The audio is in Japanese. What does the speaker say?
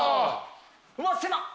うわっ狭っ